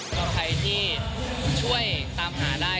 ก็ใครที่ช่วยตามหาได้